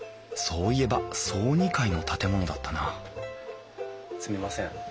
そういえば総二階の建物だったなすみません。